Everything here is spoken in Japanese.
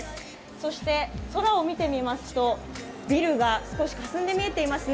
そして空を見てみますと、ビルが少しかすんで見えていますね。